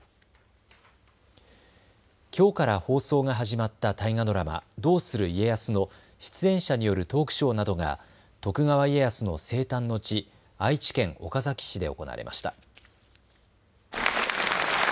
きょうから放送が始まった大河ドラマ、どうする家康の出演者によるトークショーなどが徳川家康の生誕の地、愛知県岡崎市で行われました。